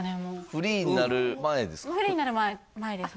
フリーになる前です